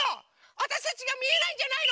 わたしたちがみえないんじゃないの？